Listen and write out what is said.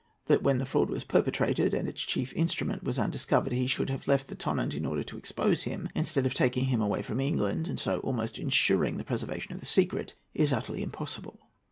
That, when the fraud was perpetrated, and its chief instrument was undiscovered, he should have left the Tonnant in order to expose him, instead of taking him away from England, and so almost ensuring the preservation of the secret, is utterly impossible.